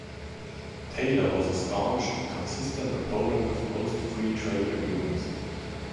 Taylor was a staunch and consistent opponent of most free trade agreements.